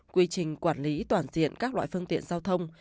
quy trình quản lý toàn diện các loại phương tiện giao thông